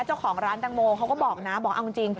เจ้าของร้านตังโมเขาก็บอกนะบอกเอาจริง